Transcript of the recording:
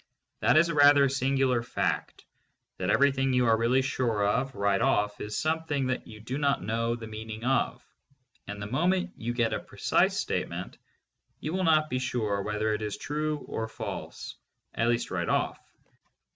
That is a rather singular fact, that everything you are really sure of, right off is something that you do not know the meaning of, and the moment you get a precise statement you will not be sure whether it is true or false, at least right off.